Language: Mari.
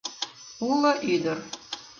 «Уло ӱдыр.